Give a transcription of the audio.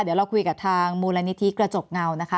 เดี๋ยวเราคุยกับทางมูลนิธิกระจกเงานะคะ